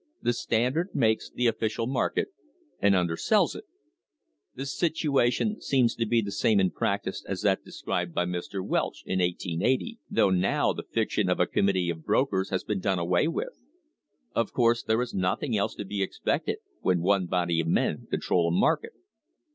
The Standard makes the official market, and undersells it. The situation seems to be the same in practice as that described by Mr. Welch, in 1880, though now the fiction of a committee of brokers has been done away with. Of course there is noth ing else to be expected when one body of men control a market.